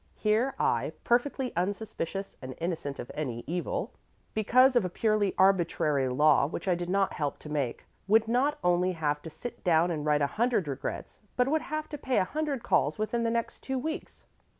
Here I perfectly unsuspicious and innocent of any evil, because of a purely arbitrary law which I did not help to make would not only have to sit down and write a hundred regrets, but would have to pay a hundred calls within the next two weeks.